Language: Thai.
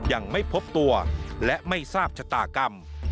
ยังไม่พบตัวและไม่ทราบชะตากรรม